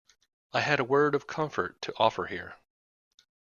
I had a word of comfort to offer here.